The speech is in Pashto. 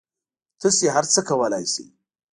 تاسو هر څه کولای شئ